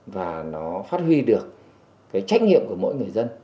và nó phát huy được cái trách nhiệm của mỗi người dân